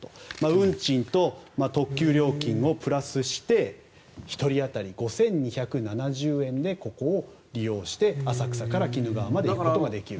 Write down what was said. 運賃と特急料金をプラスして１人当たり５２７０円でここを利用して浅草から鬼怒川まで行くことができると。